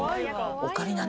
オカリナね。